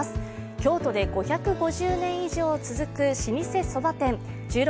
京都で５５０年以上続く老舗そば店１６